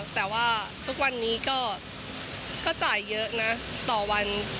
แต่ว่าทุกวันนี้ก็จ่ายเยอะนะต่อวัน